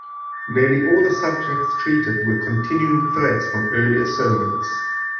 Nearly all the subjects treated were continuing threads from earlier sermons.